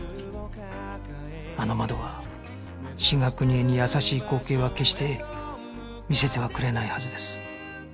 あの窓は志賀邦枝に優しい光景は決して見せてはくれないはずです